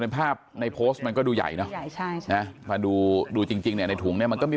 ในภาพในโพสต์มันก็ดูใหญ่นะดูดูจริงในถุงมันก็มี